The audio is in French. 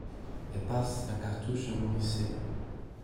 Elle passe la cartouche à Moricet.